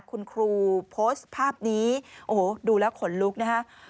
คุณครูโพสต์ภาพนี้โอ้โหดูแล้วขนลุกนะฮะ